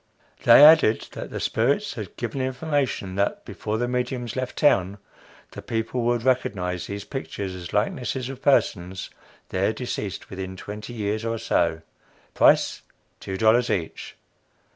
They added, that the spirits had given information that, before the mediums left town, the people would recognize these pictures as likenesses of persons there deceased within twenty years or so. Price, two dollars each!